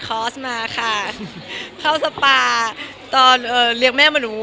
คลอสมาค่ะเข้าที่สปาตอนเลี้ยงแม่มานายวา